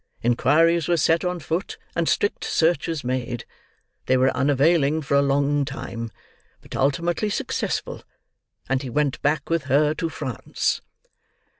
Inquiries were set on foot, and strict searches made. They were unavailing for a long time, but ultimately successful; and he went back with her to France."